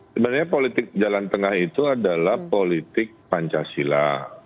sebenarnya politik jalan tengah itu adalah politik pancasila